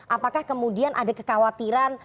apakah kemudian ada kekhawatiran